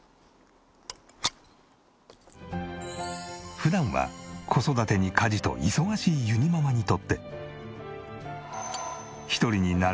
普段は子育てに家事と忙しいゆにママにとって。